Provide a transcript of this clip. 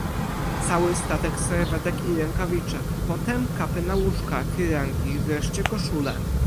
"Cały statek serwetek i rękawiczek, potem kapy na łóżka, firanki, wreszcie koszule."